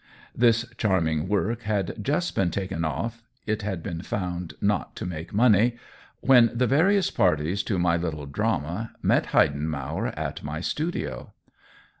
This charming work had just been taken off (it had been found not to make money), when the various parties to my little drama met Heidenmauer at my studio.